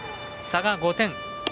差が５点。